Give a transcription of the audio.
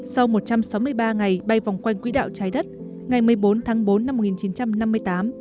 sau một trăm sáu mươi ba ngày bay vòng quanh quỹ đạo trái đất ngày một mươi bốn tháng bốn năm một nghìn chín trăm năm mươi tám